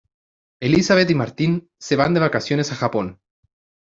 Elisabet y Martín se van de vacaciones a Japón.